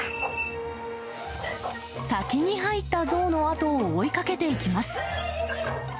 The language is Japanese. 先に入ったゾウのあとを追いかけていきます。